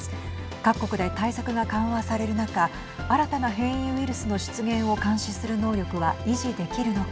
各国で対策が緩和される中新たな変異ウイルスの出現を監視する能力は維持できるのか。